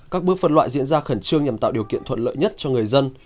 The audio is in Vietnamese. các bước phân loại diễn ra khẩn trương nhằm tạo điều kiện thuận lợi nhất cho người dân